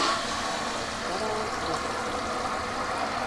Ҡарауылсы...